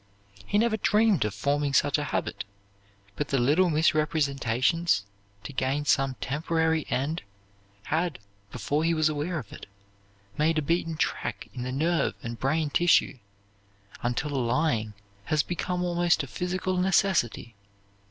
He never dreamed of forming such a habit; but the little misrepresentations to gain some temporary end, had, before he was aware of it, made a beaten track in the nerve and brain tissue, until lying has become almost a physical necessity.